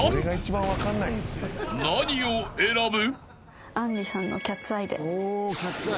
［何を選ぶ？］